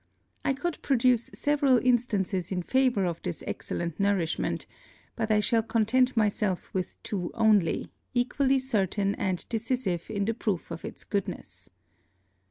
I could produce several Instances in favour of this excellent Nourishment, but I shall content myself with two only, equally certain and decisive in the Proof of its Goodness.